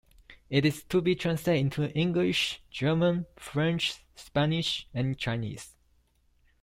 It is to be translated into English, German, French, Spanish, and Chinese.